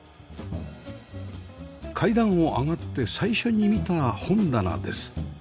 階段を上がって最初に見た本棚です